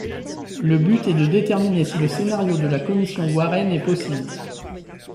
Le but est de déterminer si le scénario de la commission Warren est possible.